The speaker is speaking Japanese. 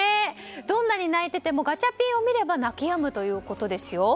どんなに泣いていてもガチャピンを見れば泣きやむということですよ。